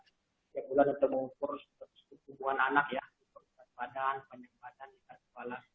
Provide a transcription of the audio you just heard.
tiap bulan ada perhubungan anak ya perhubungan badan penyembahan penyakit kepala